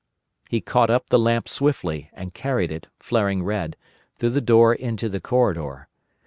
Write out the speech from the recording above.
He caught up the lamp swiftly, and carried it, flaring red, through the door into the corridor.